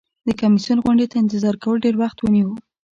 د کمیسیون غونډې ته انتظار کول ډیر وخت ونیو.